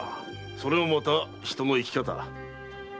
それもまた人の生き方なあ忠相。